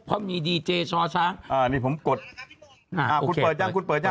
เพราะมีดีเจช้างนี่ผมกดคุณเปิดยังคุณเปิดยัง